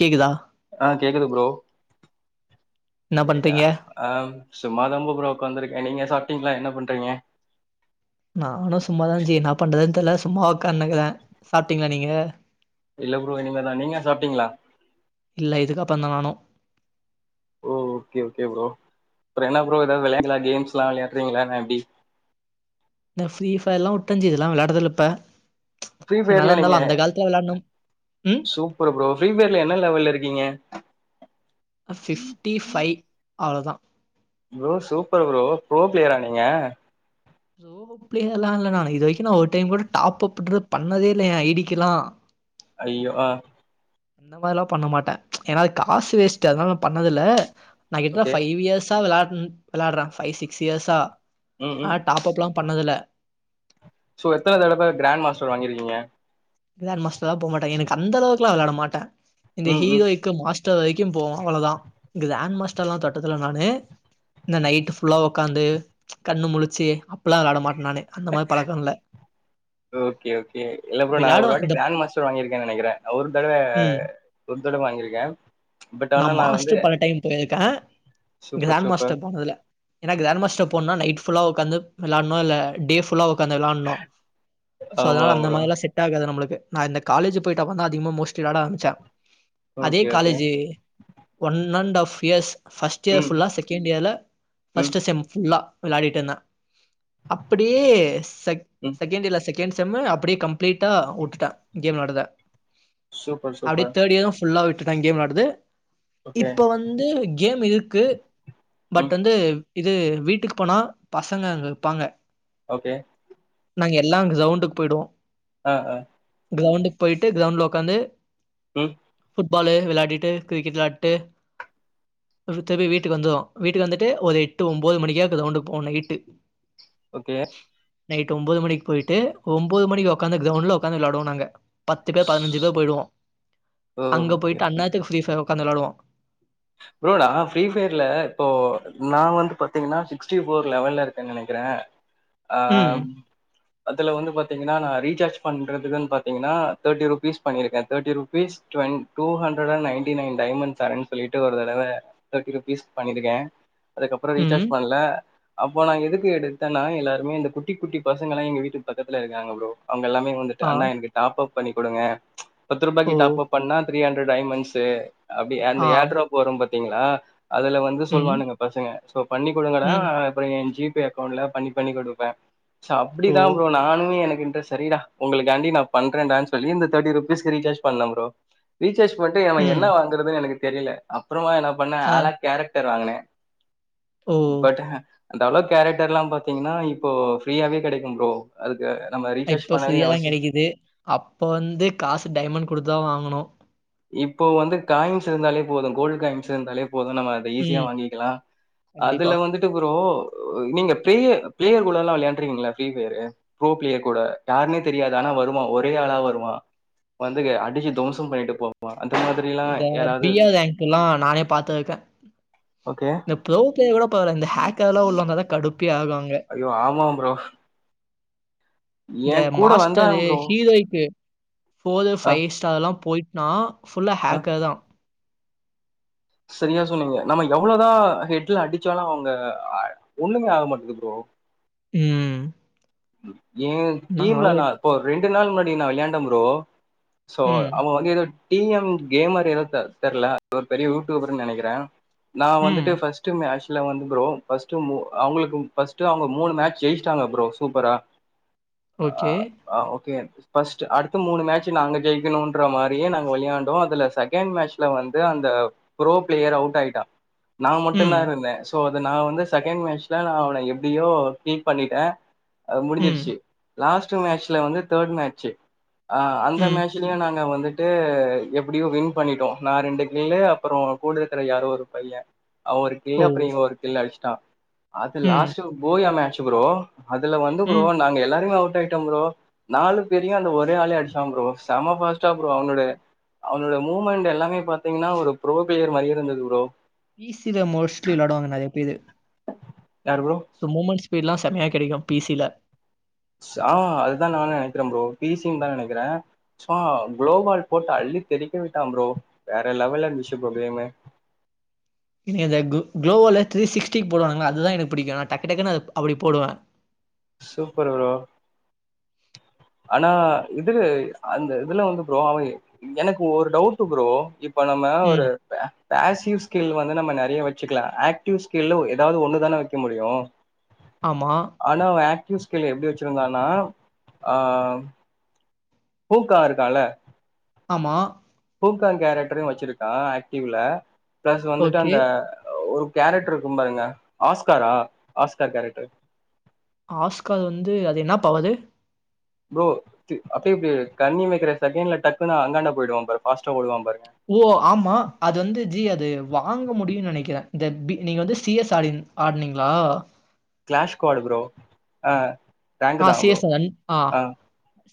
கேக்குதா அ கேக்குது ப்ரோ என்ன பண்றீங்க அம் சும்மாதாம் ப்ரோ ஒக்காந்துருக்க நீங்க சாப்ட்டீங்ளா என்ன பண்றீங்க நானு சும்மாதா ஜி இன்னா பண்றதுன் தெர்ல சும்மா ஒக்கான்னுக்ற சாப்ட்டீங்ளா நீங்க இல்ல ப்ரோ இனிமேதா நீங்க சாப்ட்டீங்களா இல்ல இதுக்கப்பறந்தா நானு ஓ ஓ கே ஒ ஓக ப்ரோ அப்பற என்ன ப்ரோ ஏதாவது விளாங்களாேம்ஸ் எல்லா விளையாடுறீங்களா எல்லா எப்டி இந்த ஃப்ரீ ஃபர்லா உட்டஞ்சி இதுலா விளையாடுறதுயில்ல இப்ப ஃபிரீ பையர் என்னதா ல நீங்க இருந்தாலு அந்த காலத்துல விளாட்னம் ம் சூப்பர் ப்ரோ ஃப்ரீ பயர்ல என்ன லெவல்ல இருக்கீங்க ஃபிஃப்டி ஃபைய் அவ்ளதா ப்ரோ சூப்பர் ப்ரோ ப்ரோ ப்ளேயரா நீங்க புரோ பிளேயர்ல்லா இல்ல நானும் இது வரைக்கும் நா ஒரு டைம் கூட டாப் அப்டுறது பண்ணதே இல்லய எய ஐடிக்கு எல்லா அயோ அ அந்த மாரி எல்லா பண்ண மாட்ட ஏன்னா அது காசு வேஸ்ட் அதனால நா பண்ணதுல்ல நா கேட்டா ஓகே ஃபைவ் இயர்ஸ்ஸா விளா விளாடுற ஃபைவ் சிக்ஸ் இயர்ஸா ம் ம் ஆனா டாப் டாப் அப் லா பண்ணதில்ல சோ எத்தன தடவ கிராண்ட் மாஸ்டர் வாங்கிருக்கீங்க கிராண்ட் மஸ்டர் ல்லா போக மாட்ட எனக்கு அந்தளவுக்குலா விளாட மாட்ட இந்த ம் ம் ஹீரோக் மாஸ்டர் வரைக்கும் போவ அவ்வளதா கிராண்ட் மாஸ்டர்லா தொட்டத்துல நானு இந்த நைட்டு் ஃபுல்லா உக்காந்து கண்ணு முழச்சி அப்பல்லா விளையாட மாட்ட நானு அந்த மாரி பழக்க இல்ல ஓ கே ஓ கே இல்ல ப்ரோ நா விளாடுவே ஒரு வாட்டி இந்த கிராண்ட் மாஸ்டர் வாங்கியிருக்கன்னு நெனைக்கிற ஒரு தடவ ம் ஒரு தடவ வாங்கிருக்க நா மாஸ்டர் பல டைம் போயிருக்க சூப்பர் கிராண்ட் சூப்பர் மாஸ்டர் போனதுல்ல ஏனா கிராண்ட் மாஸ்டர் போனுனா நைட்டு ஃபுல்லா உக்காந்து விளான்னு இல்ல டே ஃபுல்லா உக்காந்து விளானூம் சோ அதனால ஆமா அந்த ப்ரோ மாரிலா செட் செட்டாகது நம்மளுக்கு நா இந்த காலேஜ் போயிட்டா அப்பறமாதா அதிகமா மோஸ்ட்லி விளாட ஆரம்பிச்ச அதே okay okay. College one and ஃப் இயர்ஸ் ஃபர்ஸ்ட் இயர் ம், ஃபுல்லா செகண்ட் இயர்ல ம், ஃபர்ஸ்ட் செம் ஃபுல்லா விளையாடிட்டு இருந்த அப்படியு செ ம். செகண்ட் இயர்ல செக் செகண்ட் செம் அப்டியே கம்ப்ளீட்டா விட்டுட்ட கேம் விளையாட்டுரத சூப்பர் அப்டியே சூப்பர். தேர்ட்டு இயரும் ஃபுல்லா விட்டுட்டா கேம் விளையாடுறது ஓகே. இப்ப வந்து கேம் இருக்கு பட் ம். வந்து இது வீட்டுக்கு போனா பசங்க அங்க இருப்பாங்க ஓகே நாங்க எல்லா அங்க கிரவுண்டுக்கு போயிடுவோ ஆ ஆ கிரௌண்டண்டு் போய்டிட்டு கிரௌண்டல உக்காந்து ம். ஃபுட்பாலு விளையாடிட்டு கிரிக்கெட் விளையாடிட்டு தப்பி தவறி வீட்டுக்கு வந்தோ வீட்டுக்கு வந்துட்டு ஒரு எட்டு ஒன்பது மணிக்கா கிரவுண்டுக்கு போவோ நைட்டு ஓ கே நைட்டு ஒம்பது மணி போயிட்டு ஒம்பது மணிக்கு உக்காந்து கிரவுண்ட்ல உக்காந்து விளாடுவோ நாங்க பத்து பேர் பதினெஞ்சு பேர் போயிடுவோ ஓ! அங்க ஓகே போயி‌‌ட்டு ஓகே. அண்ணாத்துக்கு ஃப்ரீ ஃபையர் உக்காந்து விளாடுவோ ப்ரோ நா ஃப்ரீ ஃபையர்ல இப்போ நா வந்து பாத்தீங்கன்னா சிக்ஸ்டி ஃபோர் லெவல்ல இருக்கேன்னு நெனைக்கிற [inaudible] அ அதுல வந்து பாத்தீங்கன்னா நா ரீசார்ஜ் பண்ணுறதுக்குன்னு பாத்தீங்ன்னா தேர்ட்டி ருபீஸ் பண்ணியிருக்கே thirty rupees டுவென் two ஹண்ட்ரட்ண்ட் ninety nine டைமண் தரேன் சொல்லிட்டு ஒரு தடவ தேர்டி ருபீஸ்க்கு பண்ணிருக்கே அதுக்கப்றோ ரீசார்ஜ் ம், பண்ணல அப்போ நா எதுக்கு எடுத்தேன்னா எல்லாருமே இந்த குட் குட்டி குட்டி பசங்களா எங்க வீட்டுக்கு பக்கத்துல இருக்காங்க ஃப்ரோ அவுங்க எல்லாமே வந்து ட்டு ஆ, அண்ணா எனக்கு டாப்ப் பண்ணி குடுங்க‌ பத்து ஓ, ரூபாய்க்கு டாப்ப் பண்ணா த்ரி ஹண்ட்ரட் டைமண்ட்ஸு அப்டியா ஆ, அந்த ஏர் ட்ராப் வரு பாத்தீங்ளா அதுல வந் து ம், சொல்லுவானுங்க பசங்க சோ பண்ணி குடுங்கடா ம், அப்றோ ஏ ஜி பே அக்கௌண்ட்ல பண்ணி பண்ணி குடுப்பே சோ ஓ, அப்டிதா ஃப்ரோ நானு எனக்கு இன்ரெஸ்ட் சரிடா உங்களுக்காண்டி நா பண்றேடான்னு சொல்லி இந்த தேர்ட்டி ரூபிஸ்கு ரீசார்ஜ் பண்ண ஃப்ரோ ரீசார்ஜ் பண்ணிட்டு ம், என்ன் வாங்குறதுன்னு எனக்கு தெரியல அப்றோமா என்ன பண்ணே ஆ, ஆளா கேரக்டர் வாங்குனே ஓ. பட் அந்த அளோ கேரக்டர் எல்லா பாத்தீங்ன்னா இப்போ ஃப்ரீயாவே கெடைக்கு ஃப்ரோ அதுக்கு நம்ம ரீசார்ஜ் இப்ப பண்ணவே ஃப்ரீயா தான் அவசியம் கிடைக்குது. அப்ப வந்து காசு டைமண்ட் குடுத்து தா வாங்குனு இப்போ வந்து காயின்ஸ் இருந்தாலே போது கோல்டு காயின்ஸ் இருந்தாலே போது நம்ம ஈஸியா ம், வாங்கிக்கலா கண்டிப்பா. அதுல வந்து ட்டு ப்ரோ நீங்க பேளேயர் பேளேயர் கூடல்லா விளாயாருக்கீங்களா ஃபிரீ ஃபையரு கோ பிளையேர் கூட யாருன்னே தெரியாது ஆனா வருவா ஒரே ஆளா வருவா வந்து அடிச்சி தோம்சம் பண்ணிட்டு போவா அந்த மாதிரி இந்த டி ஆர் அங்க்கு எல்லா நானே பாத்து இருக்கே ஓகே இந்த ப்ரௌ கூட பேர்லா கூட பரவால்ல இந்த ஹேக்கர் எல்லா உள்ளவந்தாத கடுப்பே ஆவாங்க ஐயோ ஆமா ஃப்ரோ இந்த கூட வந்தா மாஸ்டரு ப்ரோ ஹீரோய்க்கு ஃபோர்ரு ஆ ஃபைவ் ஸ்டார் எல்லா போயிட்னா ஃபுல்லா ஆ ஹேக்கர் தா சரியா சொன்னீங்க நம்ம எவ்ளோதா ஹெட்ல அடிச்சாலு அவுங்க ஒண்ணுமே ஆக மாட்டேங்குது ஃப்ரோ ம் ஏ டீம்ல நாங்கலாம் ஒரு நா இப்போ ரெண்டு நாள் முன்னாடி நா விளாண்ட ஃப்ரோ சோ ம், அவன் வந்து ஏதோ டி எம் கேமர் ஏதோ தெரியல ஒரு பெரிய யூடியூபர்ன்னு நெனைக்கிற நா ம். வந்துட்டு ஃபர்ஸ்ட் மேட்ச் சி இல்ல வந்து ஃப்ரோ ஃபர்ஸ்ட் அவங்களுக்கு ஃபர்ஸ்ட அவுங்க மூணு மேட்ச ஜெயிட்டாங்க ஃப்ரோ சூப்பரா ஓகே ஆ ஓகே ஃபர்ஸ்ட்டு அடுத்து மூணு மேட்சு நாங்க ஜெயிக்குணுன்ற மாதிரியே நாங்க விளயாண்டோ அதுல செகண்ட் மேட்ச்ல வந்து அந்த க்ரோ பிளேயர் அவுட் ஆயிட்டா நா மட்டு ம். தா இருந்தே ஸோ அத நா வந்து செகண்ட் மேட்சில் நா அவனை எப்டியோ கீப் பண்ணிட்டே முடிஞ்சிருச்சு ம். லாஸ்ட் மேட்சல வந்து தேர்ட் மேட்ச அந்த ம். மேட்ச ஆக்சுவலியா நாங்க வந்துட்டு எப்டியோ வின் பண்ணிட்டோ நா ரெண்டு கிலு அப்றோ கூடக்குற யாரு ஒரு பைய ஒரு கில்லு அப்றோ ஓ! ஒரு கில்லு அடிச்சுட்டா அது ம். லாஸ்ட் போயாமேச்சு ஃப்ரோ அது அதுல வந்து ப்ரோ ம். நாங்க எல்லாருமே அவுட் ஆயிட்டோ ப்ரோ நாலு பேரையு அந்த ஒரே ஆளே அடிச்சா ப்ரோ செம பாஸ் ட்டு அவனோட அவனோட மூமெண்ட் எல்லாமே பாத்தீங்கன்னா ஒரு ப்ரோ பியர் மாரியே இருந்தது ப்ரோ பி சில மோஸ்ட்லி வெளாட்வாங்க நெறைய பேரு யாரு ப்ரோ சோ மூமெண்ட்ஸ் ஸ்பீட்லா செம்மயா கெடைக்கு பி சில ஸா அதுதா நானு நெனைக்கிறே ப்ரோ பி சின்தா நெனைக்கிறே சோ குளோபால் போட்டு அள்ளி தெரிக்க விட்டா ப்ரோ வேற லெவல இருந்துச்சு ப்ரோ கேமு எனக்கு இந்த கோ குளோவால த்ரீ சிஸ்டிக்கு போடுவாங்கள அது தா எனக்கு பிடிக்கு நா டக்கு டக்குன்னு அது அப்டி போடுவ சூப்பர் ப்ரோ ஆனா இதுலு அந்த இதுல வந்து ப்ரோ அவ எனக்கு ஒரு டவுட்டு ப்ரோ இப்ப நம்ம ஒரு ம். பே பேசிவ் ஸ்கில் வந்து நம்ம நெறைய வச்சுக்கலா ஆக்டிவ் ஸ்கில்ல ஒரு எதாது ஒன்னுதானே வைக்க முடியு ஆமா ஆனா அவ ஆக்டிவ் ஸ்கில் எப்டி வச்சிருந்தானா ஆ பூக்கா இருக்கால ஆமா பூக்கா கேரக்ட்ரயு வச்சிருக்கா ஆக்டிவ்ல ப்ளஸ் வந்துட்டு ஓகே. அந்த ஒரு கேரக்ட்ரு இருக்கு பாருங்க ஆஸ்காரா ஆஸ்கார் கேரக்ட்ரு ஆஸ்கார் வந்து அது என்னா பவரு ப்ரோ த்து அப்டே இப்டி கண்ணு இமைக்கிற செகண்ட்ல டக்குனு அந்தாண்ட பொயிடுவா பாரு பாஸ்டா ஓடுவா பாரு ஓ ஆமா அது வந்து ஜி அது வாங்க முடியுனு நெனைக்கிறே இந்த பி நீங்க வந்து சீ எஸ் ஆடின் ஆட்னிங்ளா கிளாஷ் காடு ப்ரோ அ ஆ சி செசன் ஆ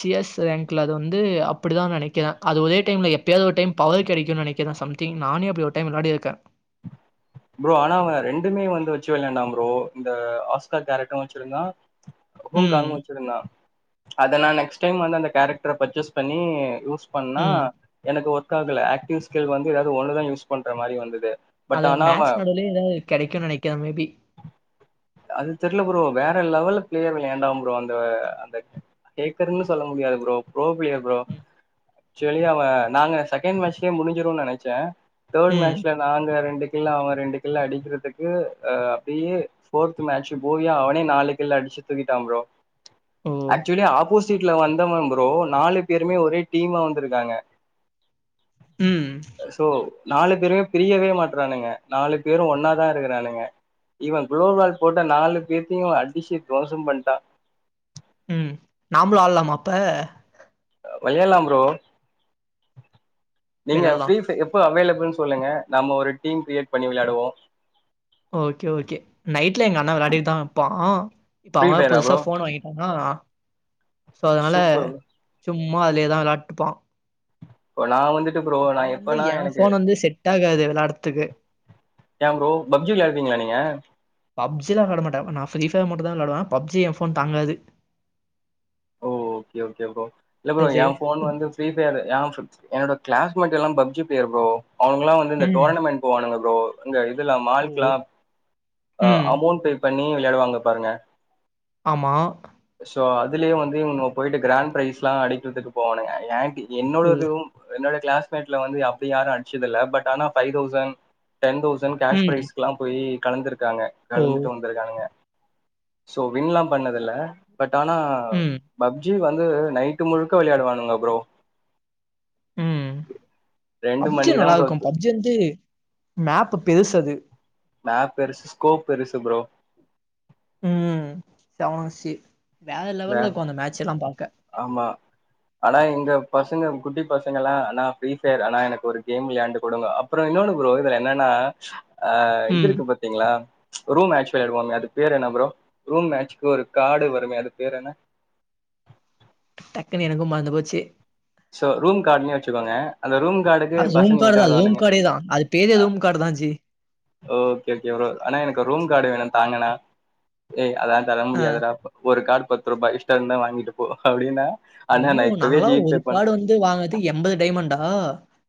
சி எஸ் ரேங்க்ல அது வந்து அப்டிதா நெனைக்கிறே அது ஒரே டைம்ல எப்பயாது ஒரு டைம் பவர் கெடைக்குன் நெனைக்கிறே சம் திங் நானே அப்டி ஒரு டைம் வெளாடிருக்கே ப்ரோ ஆனா அவ ரெண்டுமே வந்து வச்சி வெலாண்டா ப்ரோ இந்த ஆஸ்கா கேரக்ட்ரு வச்சிருந்தா ம். வுகாகன் வச்சிருந்தா அத நா நெக்ஸ்ட் டைம் வந்து அந்த கேரக்ட்ர பர்ச்சேஸ் பண்ணி யூஸ் பண்ணா ம். எனக்கு ஒர்க் ஆகல ஆக்டிவ் ஸ்கில் வந்து எதாது ஒன்னு தா யூஸ் பண்ற மாரி வந்தது பட் அது ஆனா அவ மேட்ச நடுவுலயே எதாது கெடைக்குன் நெனைக்கிறே மேபி அது தெர்ல ப்ரோ வேற லெவல்ல பிளேயர் வெளயாண்டா ப்ரோ அந்த அந்த ஏக்கரருன் சொல்ல முடியாது ப்ரோ ப்ரோ பிளியர் ப்ரோ ம். செரி அவ நாங்க செகண்ட் மேட்ச்லயே முடிஞ்சிருன் நெனச்சே தேர்ட் ம். மேட்ச்ல நாங்க ரெண்டு கிள்ள அவ ரெண்டு கிள்ள அடிக்கிறதுக்கு அ அப்டியே போர்த்து மேட்சு போயி அவனே நாளுக்கில்லு அடிச்சி தூக்கிட்டா ப்ரோ ஓ! ஆக்சுலி ஆப்போசிட்ல வந்தவ ப்ரோ நாலு பேருமே ஒரே டீமா வந்திருக்காங்க ம் சோ நாலு பேருமே பிரியவே மாட்றானுங்க நாலு பேரு ஒன்னா தா இருக்குறானுங்க இவெ குளோபால் போட்ட நாலு பேத்தியு அடிச்சி துவாச பண்ட்டா நாம்ளு ஆட்லாம அப்ப வையலா ப்ரோ நீங்க விளையாடலாம். பீரீ பை இப்ப அவைலபிள்ன் சொல்லுங்க நம்ப ஒரு டீம் கிரியேட் பண்ணி வெளயாடுவோ ஓகே ஓகே நைட்ல எங்க அண்ணே வெளாடி தா இருப்பா இப்ப ஃப்ரீ அவ ஃபயரா புதுசா ப்ரோ ஃபோன் வாங்கிடானா சோ அதுனால சூப்பர் சும்மா அதுலேதா வெளான்ட்டுப்பா இப்ப நா வந்துட்டு ப்ரோ நா வந்து எப்பனா எ எனக்கு ஃபோன் வந்து செட் ஆகாது வெளாட்த்துக்கு ஏ ப்ரோ பப்ஜி வெளையாட்ரிங்கலா நீங்க பப்ஜிலா விளாட மாட்டே நா ஃப்ரீ ஃபைர் மட்டுந்தா விளாடுவே பப்ஜி ஏ ஃபோன் தாங்காது ஓ ஓகே ஒகே ப்ரோ இல்ல ப்ரோ அது. ஏ ஃபோன் வந்து ஃரிபைரு ஏ என்னோட கிளாஸ்மேட்லா பப்ஜி ப்ளேயர் ஃப்ரோ அவுங்கலா வந்து இந்த ம். டோரனமெண்ட் போவானுங்க ஃப்ரோ அங்க இதுல ஓ! மால்க்ல்லா அ ம். அமௌண்ட்டு பண்ணி விளையாடுவாங்க பாருங்க ஆமா சோ அதுலயே வந்து இவனுங்க போயிட்டு கிராண்ட் ப்ரைஸ் எல்லா அடிக்குறதுக்கு போவானுங்க ஏ டீ ஓ! என்னோடதுவு என்னோட கிளாஸ்மேட்ல வந்து அப்டி யாரு அடுச்சதுல்ல பட் ஆனா five thousand ten thousand cash ம். பிரைஸ்க்லா போயி கலந்துருக்காங்க ஓ! கலந்துட்டு வ ந்துருக்கானுங்க சோ வின்லா பண்ணதுல்ல பட் ஆனா ம். பப்ஜி வந்து நைட்டு முழுக்க விளையாடுவானுங்க ப்ரோ ம் ரெண்டு பப்ஜி மணிக்குதா நல்லா ப்ரோ இருக்கு பப்ஜி வந்து மேப்பு பெருசது மேப் பெருசு ஸ்கோப் பெருசு ப்ரோ ம் செவன் சி வேற வே லெவெல்ல இக்கு அந்த மேட்செல்லா பாக்க ஆமா ஆனா இங்க பசங்க குட்டி பசங்க எல்லா அண்ணா ஃப்ரீ ஃபயர் அண்ணா எனக்கு ஒரு கேம் விளையாண்டு குடுங்க அப்றொ இன்னொன்னு ப்ரோ இதுல என்னன்னா அ ம். இதுருக்கு ப பத்திங்ளா ரூம் மேட்ச் வெளையாடுவோமே அது பேர் என்ன ப்ரோ ரூம் மேட்ச்கு ஒரு காடுவருமே அதுக்கு பேறென்னா டக்குன்னு எனக்கு மறந்து போச்சு ஸோ ரூம் கார்டுனே வச்சுக்கோங்க அந்த ரூம் காடு அது ஜூம் காடு தா ஜூம் காடே தான் அது பேரே ஜூம் காடு தா ஜீ ஓகே ஓகே ஆனா எனக்கு ரூம் காடு வேணு தாங்கனா ஏய் அதா தர ஆ. முடியாதுடா ஒரு காடு பத்து ரூபா இஷ்டொ இருந்தா வாங்கிட்டு போ அப்டின்னா அண்ணா நா இப்பவே ஜிபே பண் வாங்குனது எம்பது டைமண்டா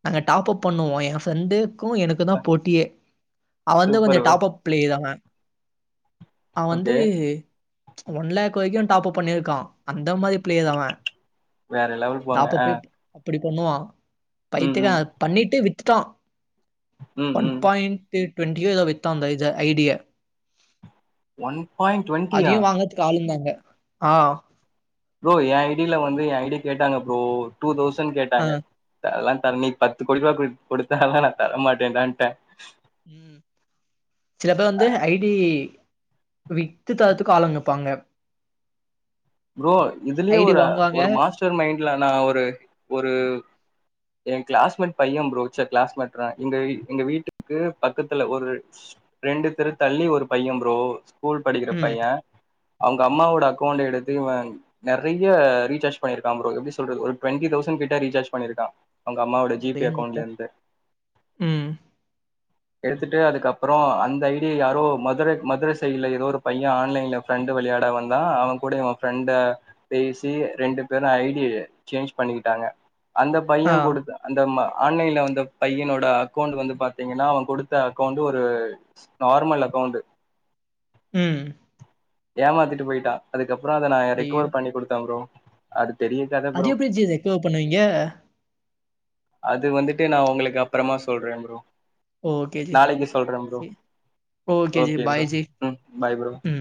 நாங்க டாப் அப் பண்ணுவோ எ ஃப்ரெண்டு க்கு எனக்குந்தா போட்டியே அவன் வந்து கொஞ்சொ சூப்பர் டாப் அப் பிளேயர் அவெ அவ வந்து ஓகே ஒன் லேக் வரிக்கு டாப் அப் பண்ணிருக்கா அந்த மாரி பிளேயர் அவெ வேற லெவல் போங்க டாப் அப்பே அப்டி பண்ணுவா ம் ம் பைத்திகார பண்ணிட்டு வித்துட்டா ம் ஒன் ம் பாய்ண்ட்டு டுவெண்ட்டியோ எதோ வித்தா இந்த ஐஜ ஐடிய ஒன் பாய்ண்ட் டுவெண்ட்டியா ஆளுந்தாங்க ஆ ப்ரோ எ ஐடில வந்து எ ஐடி கேட்டாங்க ப்ரோ டூ தௌசண் அ. கேட்டாங்க அதெல்லா தர நீ பத்து கோடி ருவா குடு கொடுத்தாலு நா தர மாட்டேன்டான்ட்டே ம் சில பேர் வந்து ஐடி வித்து தரத்துக்கு ஆளுங்க இருப்பாங்க ப்ரோ இதுலயே ஐடி ஒரு வாங்குவாங்க. ஒரு மாஸ்டர் மைண்ட்ல நா ஒரு ஒரு எ கிளாஸ்மேட் பையெ ப்ரோ ச்ச கிளாஸ்மட் ரே எங்க எங்க வீட்டுக்கு பக்கத்துல ஒரு ரெண்டு தெரு தள்ளி ஒரு பையெ ப்ரோ ஸ்கூல் படிக்கிற ம். பையே அவுங்கம்மாவோட அக்கவுண்ட் எடுத் து இவன் நெறையா ரீசார்ஜ் பண்ணிருக்கா ப்ரோ எப்டி சொல்றது ஒரு ட்வெண்டி தௌசண்ட் கிட்ட ரீசார்ஜ் பண்ணிருக்கா அவுங்கம்மாவோட ஜிபே அடேங்கப்பா! அக்கௌண்ட்லருந்து ம். எடுத்துட்டு அதுக்கப்றோ அந்த ஐடிய யாரோ மதுர மதுர சைல எதோ ஒரு பையே ஆன்லைன்ல ஃப்ரெண்டு விளையாட வந்தா அவங்க கூட இவே ஃப்ரெண்டா பேசி ரெண்டு பேரு ஐ டி ய சேஞ்ச் பண்ணிக்கிட்டாங்க அந்த ஆ. பையங் கூட தா அந்த ம ஆன்லைன்ல வந்த பையனோட அக்கௌண்ட் வந்து பாத்தீங்கன்னா அவங்குடுத்த அக்கௌண்ட் ஒரு நார்மல் அக்கௌண்டு ம் ஏமாத்திட்டு போயிட்டா அதுக்கப்றோ அத நா ஐயோ! ரெக்கவர் பண்ணி குடுத்தே ப்ரோ அது தெரிய அதெப்படி ஜி ரெக்கவர் பண்ணுவீங்க அது வந்துட்டு நா உங்களுக்கு அப்றமா சொல்றே ப்ரோ ஓகே ஜி. நாளைக்கு சொல்றேம் bro ji. Okay bro bye ji. ம் பாய் ப்ரோ ம்.